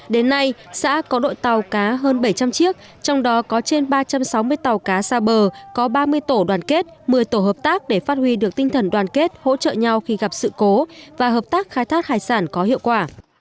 đến nay xã có đội tàu cá hơn bảy trăm linh chiếc trong đó có trên ba trăm sáu mươi tàu cá xa bờ có ba mươi tổ đoàn kết một mươi tổ hợp tác để phát huy được tinh thần đoàn kết hỗ trợ nhau khi gặp sự cố và hợp tác khai thác hải sản có hiệu quả